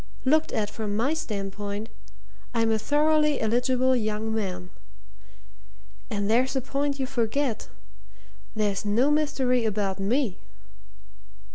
Looked at from my standpoint, I'm a thoroughly eligible young man. And there's a point you forget there's no mystery about me!"